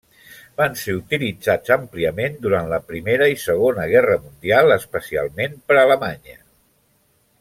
Van ser utilitzats àmpliament durant la Primera i Segona Guerra Mundial, especialment per Alemanya.